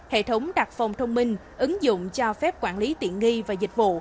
hệ thống đặc phòng thông minh ứng dụng cho phép quản lý tiện nghi và dịch vụ